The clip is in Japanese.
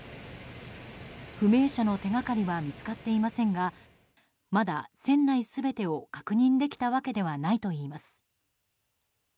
不明者の手掛かりは見つかっていませんがまだ船内全てを確認できたわけではないといいます。